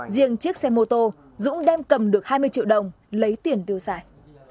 riêng chiếc xe mô tô dũng đem cầm được hai mươi triệu đồng lấy tiền tiêu xài